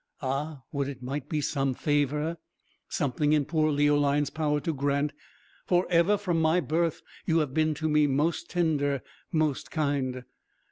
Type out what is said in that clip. Ah! would it might be some favour, something in poor Leoline's power to grant; for ever from my birth you have been to me most tender, most kind.